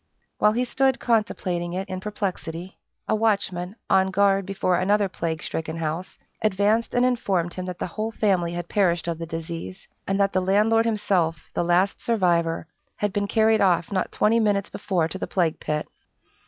While he stood contemplating it in perplexity, a watchman, on guard before another plague stricken house, advanced and informed him that the whole family had perished of the disease, and that the landlord himself, the last survivor, had been carried off not twenty minutes before to the plague pit.